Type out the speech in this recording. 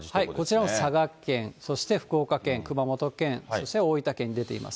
こちらは佐賀県、そして福岡県、熊本県、そして大分県に出ています。